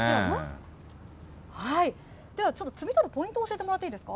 ではちょっと摘み方、ポイント教えてもらっていいですか。